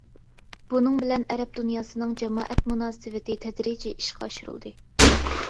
بۇنىڭ بىلەن ئەرەب دۇنياسىنىڭ جامائەت مۇناسىۋىتى تەدرىجىي ئىشقا ئاشۇرۇلدى.